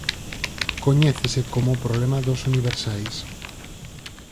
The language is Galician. Coñécese como "problema dos universais".